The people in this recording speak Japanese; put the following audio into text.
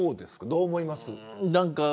どう思いますか。